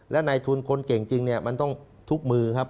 และในทุนคนเก่งจริงเนี่ยมันต้องทุกมือครับ